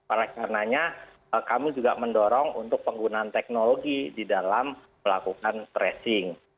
oleh karenanya kami juga mendorong untuk penggunaan teknologi di dalam melakukan tracing